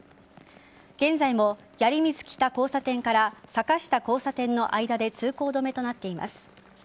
現在も鑓水北交差点から坂下交差点の間で通行止めとなっています。